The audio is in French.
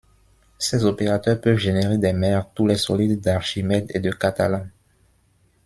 Ses opérateurs peuvent générer des mères tous les solides d'Archimède et de Catalan.